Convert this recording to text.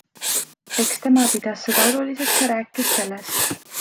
Eks tema pidas seda oluliseks ja rääkis sellest.